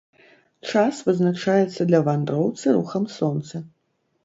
Час вызначаецца для вандроўцы рухам сонца.